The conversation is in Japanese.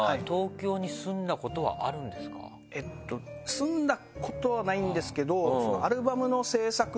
住んだことはないんですけど。